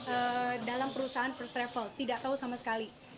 eh dalam perusahaan first travel tidak tahu sama sekali